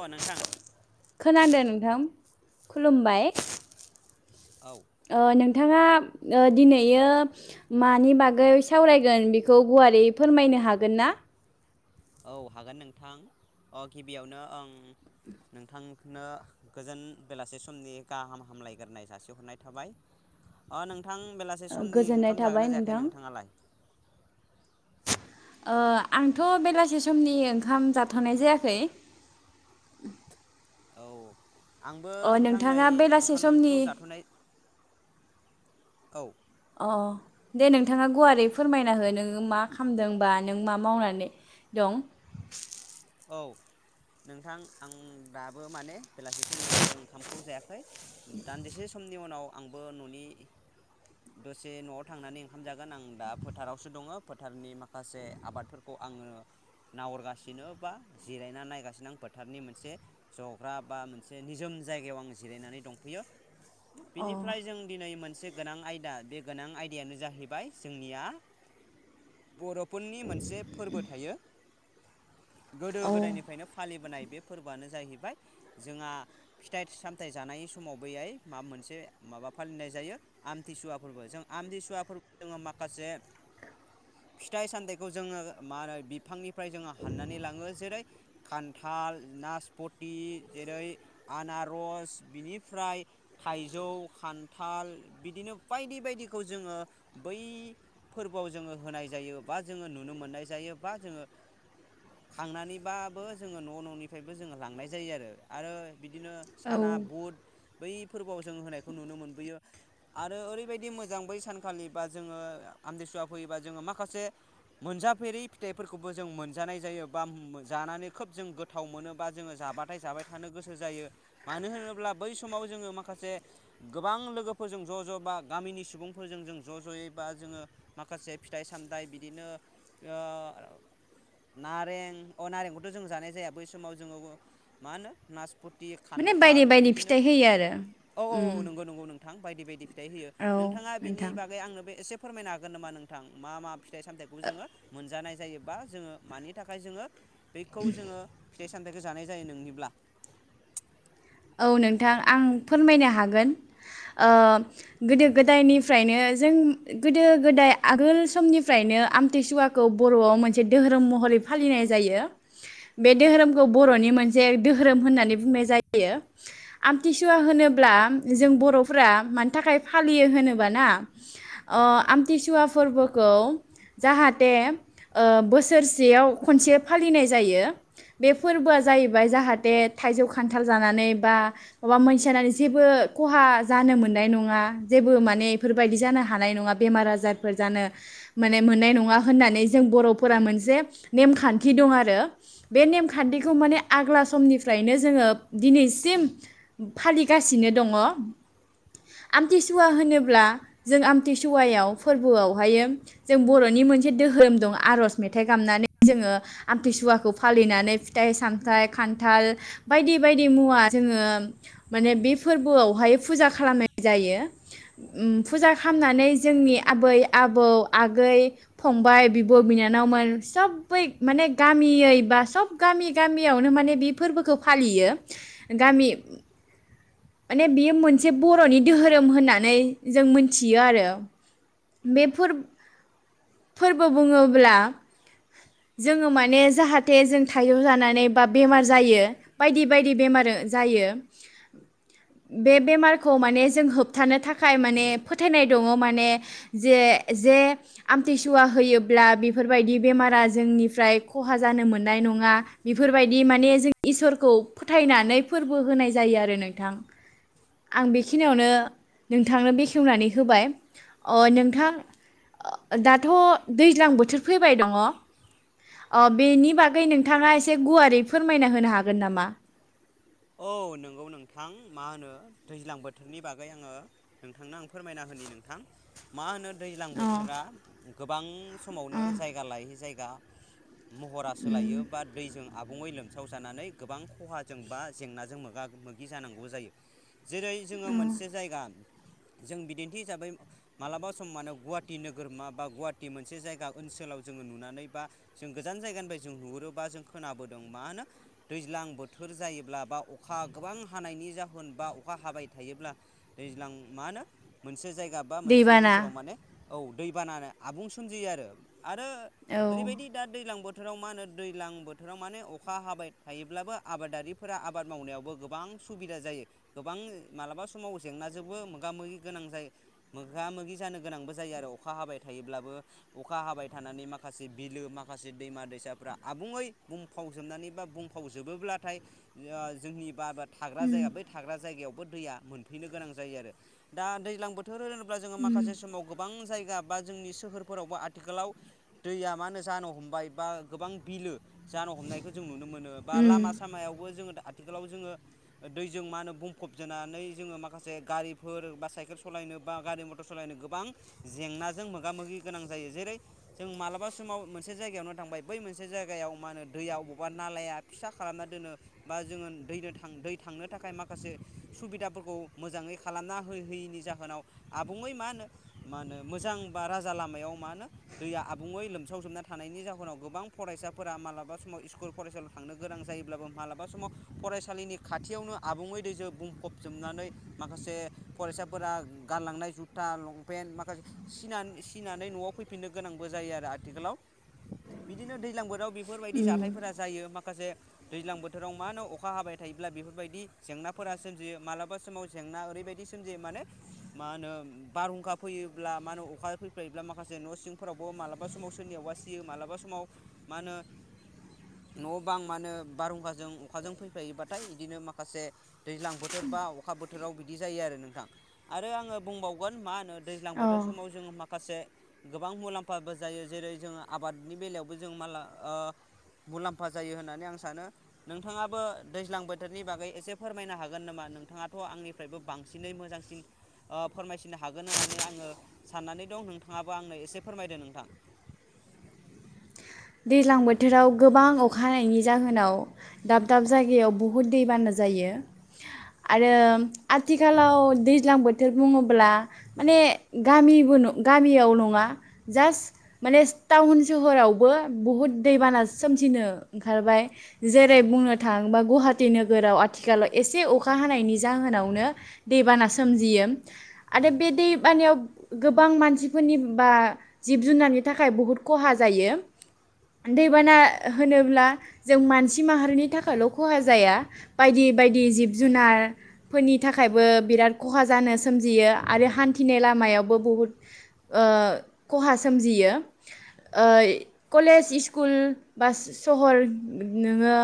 अ नोंथां खोनादों नोंथां? खुलुमबाय। औ ओ नों नोंथाङा ओ दिनैयो मानि बागै सावरायगोन बेखौ गुवारै फोरमायनो हागोन ना? औ हागोन नोंथां अ गिबियावनो ओं नोंथांनो गोजोन बेलासे समनि गाहाम हामलायग्रोनाय जासिहरनाय थाबाय अ नोंथां बेलासे ओ समनि गोजोननाय ओंखाम जागोन थाबाय ना जायाखै नोंथां नोंथाङालाय? ओ आंथ' बेलासि समनि ओंखाम जाथ'नाय जायाखै। औ। आंबो अ नोंथां नै नोंथाङा बेलासे समनि ओंखामखौ जाथ'नाय औ। अ दे नोंथाङा गुवारै फोरमायना हो नोङो मा खामदों बा नों मा मावनानै दं? औ नोंथां आं दाबो माने बेलासि समनि आंबो ओंखामखौ जायाखै। दान्दिसे समनि उनाव आंबो न'नि दसे न'आव थांनानै ओंखाम जागोन आं दा फोथारावसो दङ फोथारनि माखासे आबादफोरखौ आङो नाहरगासिनो बा जिरायना नायगासिनो आं फोथारनि मोनसे जग्रा बा मोनसे निजोम जायगायाव आं जिरायनानै दंफैयो। अ बिनिफ्राय जों दिनै मोनसे गोनां आयदा बे गोनां आयदायानो जाहैबाय जोंनिया बर' पुननि मोनसे फोरबो थायो। गोदो औ गोदायनिफ्रायनो फालिबोनाय बे फोरबोआनो जाहैबाय जोंहा फिथाइ सामथाइ जानाय समाव बैहाय माबा मोनसे माबा फालिनाय जायो आमथिसुवा फोरबो जों आमथिसुवा फोरबो जोङो माखासे फिथाइ सामथाइखौ जोङो मानो बिफांनिफ्राय जोङो हाननानै लाङ जोंङो जेरै खान्थाल नासपथि जेरै आनारस बिनिफ्राय थाइजौ खान्थाल बिदिनो बायदि बायदिखौ जोङो बै फोरबोआव जोङो होनाय जायो बा जोङो नुनो मोननाय जायो बा जोङो खांनानैबाबो जोङो न' न'निफ्रायबो जोङो लांनाय जायो आरो आरो बिदिनो औ साना बुट बै फोरबोआव जोङो होनायखौ नुनो मोनबोयो आरो ओरैबायदि मोजां बै सानखालि बा जोङो आमथिसुवा फैयोबा जोङो माखासे मोनजाफेरै फिथाइफोरखौबो जों मोनजानाय जायो। बा मो-जानानै खोब जों गोथाव मोनो बा जोङो जाबाथाय जाबाय थानो गोसो जायो मानो होनोब्ला बै समाव जोङो माखासे गोबां लोगोफोरजों ज' ज' बा गामिनि सुबुंफोरजों जों ज' ज'यै बा जोङो माखासे फिथाइ सामथायाइ बिदिनो उह नाथ रें अ नारेंखौथ' जों जानाय जाया बै समाव जोंङो मा होनो नासपुत थि माने बायदि खान्थाल बायदि बिदिनो फिथाइ होयो आरो औ औ उम औ नोंगौ नंगौ नों। थां बायदि बायदि। फिथाइ होयो औ नोंथाङा बिनि नोंथां बागै आंनो बो एसे फोरमायनो हागोन नामा नोंथां मा मा फिथाइ सामथाइखौबो जोङो मोनजानाय जायोबा जोङो मानि थाखाय जोङो। बेखौ जोङो फरेस। सामथाइखौ जानाय जायो नोंनिब्ला। औ नोंथां आं फोरमायनो हागोन उह गोदो गोदायनिफ्रायनो जों गोदो गोदाय आगोल समनिफ्रायनो आमथिसुवाखौ बर'आव मोनसे दोहोरोम महरै फालिनाय जायो बे दोहोरोमखौ बर'नि मोनसे दोहोरोम होननानै बुंनाय जाय यो आमथिसुवा होनोब्ला जों बर'फोरा मानि थाखाय फालियो होनोबा ना अ आमथिसुवा फोरबोखौ जाहाथे उह बोसोरसेयाव खनसे फालिनाय जायो बे फोरबोआ जाहैबाय जाहाथे थाइजौ खान्थ थाल जानानै बा माबा मोनसे जानानै जेबो खहा जानो मोननाय नङा जेबो माने एफोरबायदि जानो हानाय नङा बेमार आजारफोर जानो माने मोननाय नङा होननानै जों बर'फोरा मोनसे नेमखान्थि दं आरो बे नेमखान्थिखौ माने आग्ला समनिफ्रायनो जोङो दिनैसिम फालिगासिनो दङ आमथिसुवा होनोब्ला जों आमथिसुवायाव फोरबोआवहायो जों बर'नि मोनसे दोहोरोम दं आर'ज मेथाइ गामनानै जोङो आमथिसुवाखौ फालिनानै फिथाइ सामथाइ खान्थाल बायदि बायदि मुवा जोङो माने बे फोरबोआवहाय फुजा खालामनाय जायो उम फुजा खालामनानै जोंनि आबै आबौ आगै फंबाइ बिब' बिनानावमोन सबै माने गामियै बा सब गामि गामियावनो माने बे फोरबोखौ फालियो। गामि। माने बियो मोनसे बर'नि दोहोरोम होननानै जों मोनथियो आरो बे फोर-फोरबो बुङोब्ला जोङो माने जाहाथे जों थाइजौ जानानै बा बेमार जायो बायदि बायदि बेमारो जायो। बे बेमारखौ माने जों होबथानो थाखाय माने फोथायनाय दङ माने जे जे आमथिसुवा होयोब्ला बिफोरबायदि बेमारा जोंनिफ्राय खहा जानो मोननाय नङा बिफोरबायदि माने जों इसोरखौ फोथायनानै फोरबो होनाय जायो आरो नोंथां। आं बेखिनियावनो नोंथांनो बेखेवनानै होबाय अ नोंथां दाथ' दैज्लां बोथोर फैबाय दङ अ बेनि बागै नोंथाङा एसे गुवारै फोरमायना होनो हागोन नामा? औ नोंगौ नोंथां मा होनो दैज्लां बोथोरनि बागै आङो नोंथांनो आं फोरमायना होनि नोंथां मा होनो दैज्लां अ बोथोरा गोबां। समावनो जायगा लायै जायगा दा। महरा सोलायो बा दैजों। आबुङै लोमसाव जानानै गोबां खहाजों बा जेंनाजों मोगा मोगि जानांगौ जायो। जेरै जोङो मोनसे जायगा जों बिदिन्थि हिसाबै मालाबा सम मान गुवाहाटि नोगोरमा बा गुवाहाटि मोनसे जायगा ओनसोलाव जोङो नुनानै बा जों गोजान जायगानिफ्राय जों नुुरोबा जों खोनाबोदों मा होनो दैजां बोथोर जायोब्ला। बा अखा गोबां हानायनि जाहोन बा अखा हाबाय थायोब्ला दैजां मा होन मोनसे जाय। माबा मोनसे दैबाना ओनसोलाव माने। औ दै बानानो आबुं सोमजियो आरो। आरो औ ओरैबायदि दा दैज्लां बोथोर। बोथोराव मा होनो दैजलां बोथोराव माने अखा हाबाय थायोब्लाबो आबादारिफोराबाद। आबाद मावनायावबो गोबां सुबिदा जायो गोबां मालाबा समाव जेंनाजोंबो मोगा मोगि गोनां जायो मोगा मोगि जानो गोनांबो जायो आरो अखा हाबाय थायोब्लाबो अखा हाबाय थानानै माखासे बिलो माखासे दैमा दैसाफ्रा आबुङै बुंफावजोबनानै बा बुंफावजोबोब्लाथाय। जोंनि बाबाद। थाग्रा जायगा बै थाग्रा जायगायाव। दैया मोनफैनो गोनां जायो आरो दा दैजां बोथोर बोथोर होनोब्ला जोङो माखासे समाव गोबां जायगा जाया बा जोंनि सोहोरफोरावबो आथिखालाव दैया मा होनो जानो हमबाय बा गोबां बिलो जानो हमनायखौ जों नुनो मोनो बा उम लामा सामायाव जोङो आथिखालाव जोङो दैजों मा होनो बुंफब जानैनानै जोङो माखासे गारिफोर बा साइकेल सालायनो बा गारि मटर सालायनो गोबां जेंनाजों मोगा मोगि गोनां जायो जेरै जों मालाबा समाव मोनसे जायगायावनो थांबाय बै मोनसे जायगायाव मा होनो दैया अबावबा नालाया फिसा खालामना दोनो बा जोङो दैनो थां दै थांनो थाखाय माखासे सुबिदाफोरखौ मोजाङै खालामना हो होयैनि जाहोनाव आबुङै मा होनो मा होनो मोजां बा राजा लामायाव मा होनो दैया आबुङै लोमसावजोबना थानायनि जाहोनाव गोबां फरायसाफोरा मालाबा समाव स्कुल फरायसालियाव थांनो गोनां जायोब्लाबो मालाबा समाव फरायसालिनि खाथियावनो आबुङै दैजों बुंफबजोबनानै माखासे फरायसाफोरा गारलांनाय जुथा लंपेन्ट माखासे सिनानै न'आव फैफिननो गोनांबो जायो आरो आथिखालाव बिदिनो दैज्लां बोथाव बेफोरबायदि जाथायफोरा जायो माखासे दैज्लां बोथोराव मा होनो अखा हाबाय थायोब्ला बेफोरबायदि जेंनाफोरा सोमजियो मालाबा समाव जेंना ओरैबायदि सोमजियो माने मा होनो बारहुंखा फैयोब्ला मा होनो अखा फैफ्लायोब्ला माखासे न' सिंफोरावबो मालाबा समाव सोरनियावबा सियो मालाबा समाव मा होनो न' बां मा होनो बारहुंखाजों अखाजों फैफायोबाथाय बिदिनो माखासे दैज्लां बोथोर बा अखा बोथोराव बिदि जायो आरो नोंथां आरो आङो बुंबावगोन मा होनो दैज्लां बोथोर औ समाव जोङो मा माखासे गोबां मुलाम्फाबो जायो जेरै जोङो आबादनि बेलायावबो जों माला मुलाम्फा जायो होननानै आं सानो। नोंथाङाबो दैज्लां बोथोरनि बागै एसे फोरमायनो हागोन नामा नोंथाङाथ' आंनिफ्रायबो बांसिनै मोजांसिन फोरमायसिनो हागोन होननानै आङो साननानै दं नोंथाङाबो आंनो एसे फोरमायदो नोंथां दैज्लां बोथोराव गोबां अखा हानायनि जाहोनाव दाब दाब जायगायाव बहुद दैबाना जायो आरो आथिखालाव दैज्लां बोथोर बुङोब्ला माने गामिबो गामियाव नङा जास्ट माने टाउन सहरावबो बहुद दैबाना सोमजिनो ओंखारबाय जेरै बुंनो थाङोबा गुवाहाटि नोगोराव आथिखालाव एसे अखा हानायनि जाहोनावनो दैबाना सोमजियो आरो बे दैबानायाव गोबां मानसिफोरनि बा जिब जुनारनि थाखाय बहुद खहा जायो। दैबाना होनोब्ला जों मानसि माहारिनि थाखायल खहा जाया बायदि बायदि जिब जुनारफोरनि थाखायबो बिराद खहा जानो सोमजियो आरो हान्थिनाय लामायावबो बहुद ओ खहा सोमजियो ओइ कलेज स्कुल बा सहर नोङो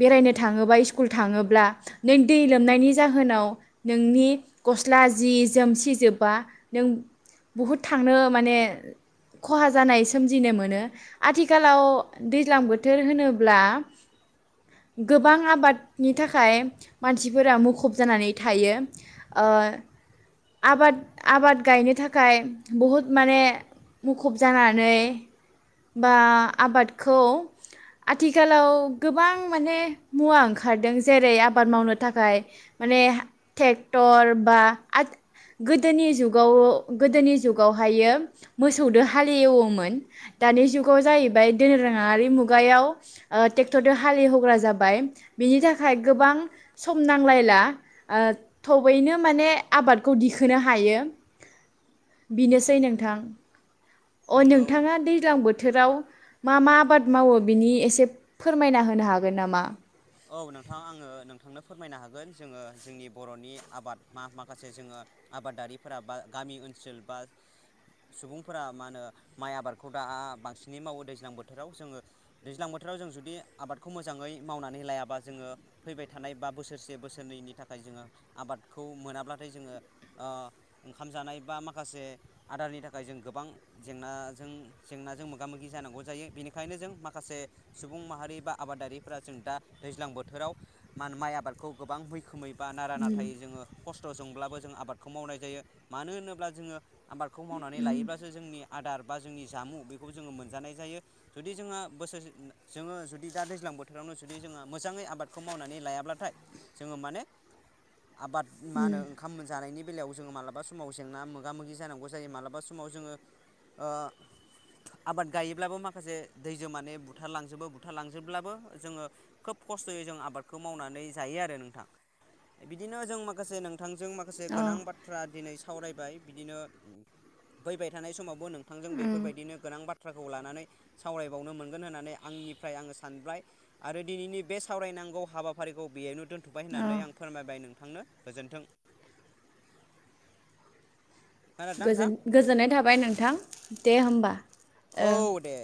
बेरायनो थाङोबा स्कुल थाङोब्ला नों दै लोमनायनि जाहोनाव नोंनि गस्ला जि जोमसिजोबबा नों बहुद थांनो माने खहा जानाय सोमजिनो मोनो। आथिखालाव दैज्लां बोथोर होनोब्ला गोबां आबादनि थाखाय मानसिफोरा मुखुब जानानै थायो ओ आबाद आबाद गायनो थाखाय बहुद माने मुखुब जानानै बा आबादखौ आथिखालाव गोबां माने मुवा ओंखारदों जेरै आबाद मावनो थाखाय माने ट्रेक्टर बा गोदोनि जुगाव गोदोनि जुगावहायो मोसौदो हालएवोमोन दानि जुग खौ जाहैबाय दोन रोङारि मुगायाव ट्रेक्टरजों हाल एवहग्रा जाबाय बिनि थाखाय गोबां सम नांलायला ओ थबैनो माने आबादखौ दिखोनो हायो बेनोसै नोंथां। अ नोंगौ नोंथाङा दैज्लां बोथ बोथोराव मा मा आबाद मावो बिनि एसे फोरमायना होनो हागोन नामा? औ नोंथां आङो नोंथांनो फोरमायनो हागोन जोङो जोंनि बर'नि आबाद मा माखासे जोङो आबादारिफोरा बा गामि ओनसोल बा सुबुंफोरा मा होनो माइ आबादखौ दा बांसिनै मावो दैज्लां बोथोराव जोङो दैज्लां बोथोराव जों जुदि आबादखौ मोजाङै मावनानै नानै लायाबा जोङो फैबाय थानाय बा बोसोरसे बोसोरनैनि थाखाय जोङो आबादखौ मोनाब्लाथाय जोङो ओंखाम जानाय बा माखासे आदारनि थाखाय जों गोबां जेंनाजों जेंनाजों मोगा मोगि जानांगौ जायो बेनिखायनो जों माखासे सुबुं माहारि बा आबादारिफ्रा जों दा दैज्लां बोथोराव मान माइ आबादखौ गोबां मैखोमै बा नारा नाथा जोङो खस्थ खस्थजोंब्लाबो जों आबादखौ मावनाय जायो मानो होनोब्ला जोङो आबादखौ मावनानै लायोब्लासो जोंनि आदार बा जोंनि जामुं बेखौ जोङो मोनजानाय जायो जुदि जोंहा बोसोरसे जोङो जुदि दा दैज्लां बोथोरावनो ज जुदि जोङो मोजाङै आबादखौ मावनानै लायाब्लाथाय जोङो माने आबाद मा होनो ओंखाम मोनजानायनि बेलायाव जोङो मालाबा समाव जेंना मोगा मोगि जानांगौ जायो मालाबा समाव जोङो आबाद गायोब्लाबो माखासे दैजों माने बुथार लांजोबो बुथारलांजोबब्लाबो जोङो खोब खस्थ'यै जों आबादखौ मावनानै जायो आरो नोंथां। बिदिनो जों माखासे नोंथ बिथांजों माखासे अ गोनां बाथ्रा दिनै सावरायबाय बिदिनो फैबाय थानाय समावबो नोंथांजों बेफोरबायदिनो गोनां बाथ्राखौ लानानै सावरायबावनो मोनगोन होननानै आंनिफ्राय आङो सानबाय। आरो दिनैनि बे सावरायनांगौ हाबाफारिखौ बेयोनो दोनथ'बाय अ होननानै आं फोरमायबाय नों थांनो गोजोनथों। गोजोन-गोजोननाय थाबाय नोंथां दे होमबा। ओं औ दे